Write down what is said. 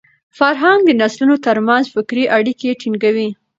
فرهنګ د نسلونو تر منځ فکري اړیکه ټینګوي.